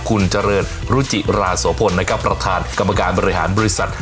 คุณเจริญรุจิราโสพลนะครับประธานกรรมการบริหารบริษัท